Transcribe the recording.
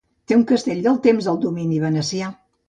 Té un castell del temps del domini venecià.